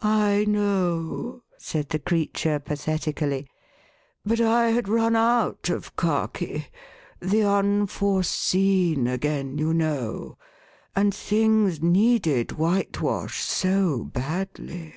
I know," said the creature pathetically, but I had run out of khaki ; the Unforeseen again, you know; and things needed whitewash so badly."